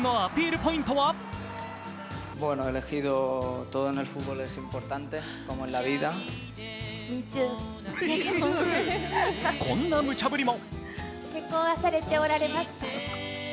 ポイントはこんな無茶振りも。